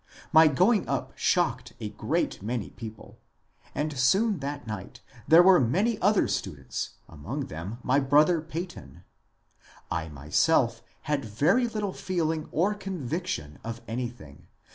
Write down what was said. My going up shocked a great many people, and soon that night there were many other students, among them my brother Peyton. I myself had very little feeling or conviction of anything.